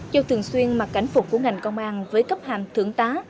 châu thường xuyên mặc cảnh phục của ngành công an với cấp hạm thưởng tá